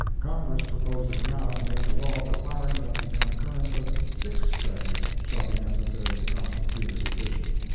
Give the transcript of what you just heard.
Congress proposes now to make a law requiring that the concurrence of six Judges shall be necessary to constitute a decision.